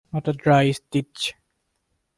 Not a dry stitch.